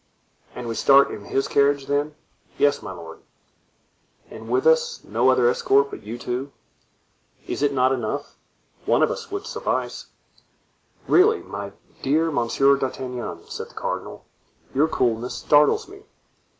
"And we start in his carriage, then?" "Yes, my lord." "And with us no other escort but you two?" "Is it not enough? One of us would suffice." "Really, my dear Monsieur d'Artagnan," said the cardinal, "your coolness startles me."